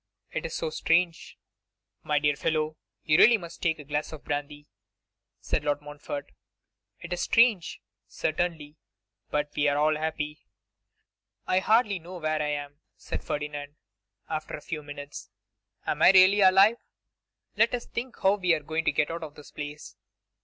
It is so strange.' 'My dear fellow, you really must take a glass of brandy,' said Lord Montfort. 'It is strange, certainly. But we are all happy.' 'I hardly know where I am,' said Ferdinand, after a few minutes. 'Am I really alive?' 'Let us think how we are to get out of this place.